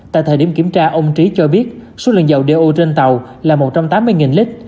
tại thời điểm kiểm tra ông trí cho biết số lượng dầu do trên tàu là một trăm tám mươi lít